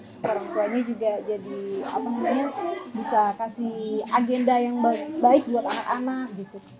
orang tuanya juga jadi apa namanya bisa kasih agenda yang baik buat anak anak gitu